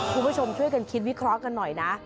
คุณผู้ชมช่วยกันคิดวิเคราะห์กันหน่อยนะ